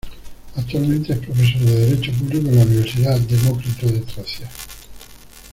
Actualmente es profesor de derecho público en la Universidad Demócrito de Tracia.